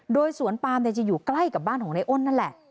โดยสวนปามจะอยู่ใกล้กับบ้านของในอ้นนั่นแหละ